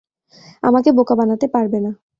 আমাকে বোকা বানাতে পারবে না।